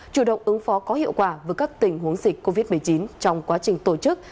chủ động ứng phó có hiệu quả với các tình huống dịch covid một mươi chín trong quá trình tổ chức